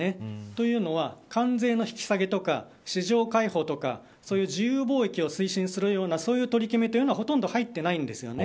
というのは、関税の引き下げとか市場開放とか自由貿易を推進するようなそういう取り決めはほとんど入っていないんです。